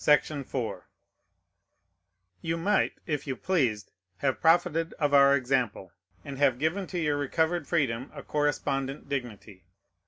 You might, if you pleased, have profited of our example, and have given to your recovered freedom a correspondent dignity.